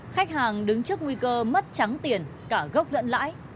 khách hàng đứng trước nguy cơ mất trắng tiền cả gốc lẫn lãi